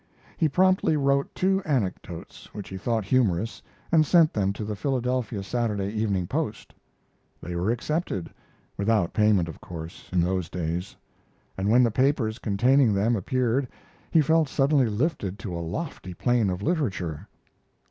He promptly wrote two anecdotes which he thought humorous and sent them to the Philadelphia Saturday Evening Post. They were accepted without payment, of course, in those days; and when the papers containing them appeared he felt suddenly lifted to a lofty plane of literature.